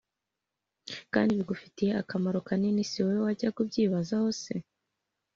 kandi bigufitiye akamaro kanini; si wowe wajyaga ubyibazaho se?!